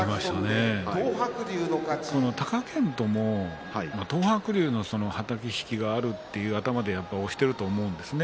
この貴健斗も東白龍のはたき、引きがあるという頭で押していると思うんですね。